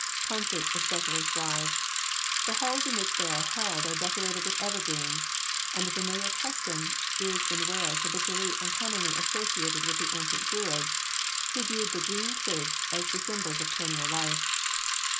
Concerts especially thrive. The halls in which they are held are decorated with evergreens, and the familiar custom is in Wales habitually and commonly associated with the ancient Druids, who viewed the green twigs as the symbols of perennial life.